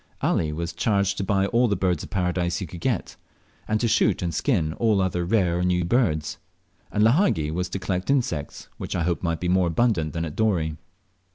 Ali was charged to buy all the Birds of Paradise he could get, and to shoot and skin all other rare or new birds; and Lahagi was to collect insects, which I hoped might be more abundant than at Dorey.